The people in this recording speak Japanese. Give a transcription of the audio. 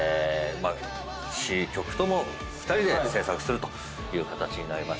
詞・曲とも２人で制作するという形になりましたけども。